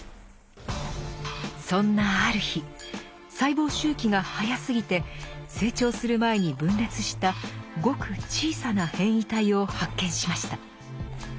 そんなある日細胞周期が速すぎて成長する前に分裂したごく小さな変異体を発見しました。